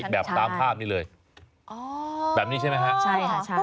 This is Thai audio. แบบนี้ใช่ไหมคะ